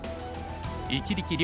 一力遼